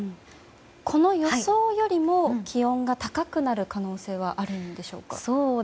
この予想よりも気温が高くなる可能性はあるんでしょうか？